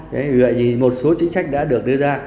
vậy thì một số chính sách đã được đưa ra